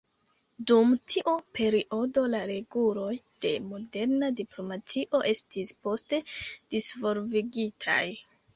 Dum tiu periodo la reguloj de moderna diplomatio estis poste disvolvigitaj.